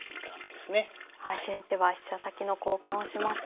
先手は飛車先の交換をしました。